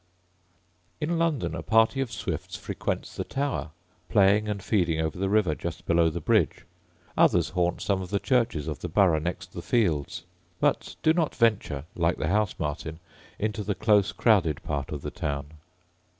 In London a party of swifts frequents the Tower, playing and feeding over the river just below the bridge; others haunt some of the churches of the Borough next the fields; but do not venture, like the house martin, into the close crowded part of the town.